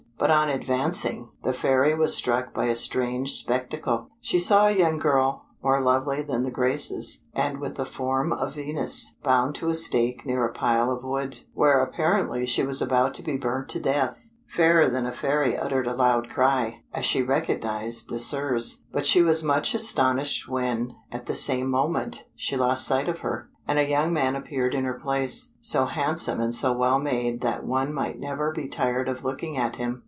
But on advancing, the Fairy was struck by a strange spectacle. She saw a young girl more lovely than the Graces, and with the form of Venus, bound to a stake near a pile of wood, where apparently she was about to be burnt to death. Fairer than a Fairy uttered a loud cry, as she recognised Désirs; but she was much astonished when, at the same moment, she lost sight of her, and a young man appeared in her place, so handsome and so well made that one might never be tired of looking at him.